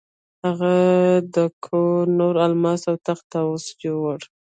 هغه د کوه نور الماس او تخت طاووس یووړ.